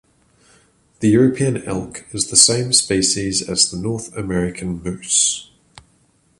The European elk is the same species as the North American moose.